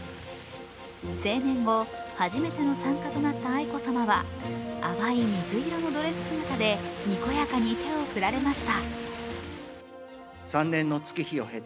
成年後初めての参加となった愛子さまは淡い水色のドレス姿でにこやかに手を振られました。